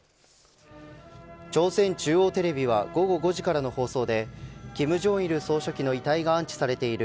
朝鮮中央テレビは午後５時からの放送で金正日総書記の遺体が安置されている